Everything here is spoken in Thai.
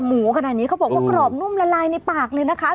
หมูขนาดนี้เขาบอกว่ากรอบนุ่มละลายในปากเลยนะคะ